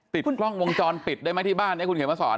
ติดกล้องวงจรปิดได้ไหมที่บ้านนี้คุณเขียนมาสอน